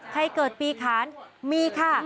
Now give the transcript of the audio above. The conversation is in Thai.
เกิดปีขานมีค่ะ